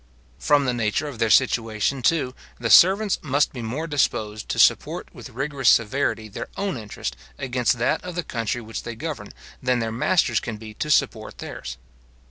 From the nature of their situation, too, the servants must be more disposed to support with rigourous severity their own interest, against that of the country which they govern, than their masters can be to support theirs.